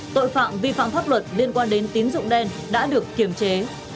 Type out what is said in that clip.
tội phạm vi phạm pháp luật liên quan đến tín dụng đen đã được kiềm chế